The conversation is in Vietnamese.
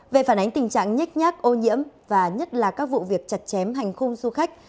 về phản ánh tình trạng nhét nhát ô nhiễm và nhất là các vụ việc chặt chém hành hung du khách